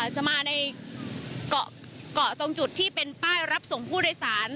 จะมาในเกาะตรงจุดที่เป็นป้ายรับส่งผู้โดยสาร